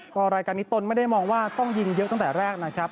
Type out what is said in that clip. ก็รายการนี้ตนไม่ได้มองว่าต้องยิงเยอะตั้งแต่แรกนะครับ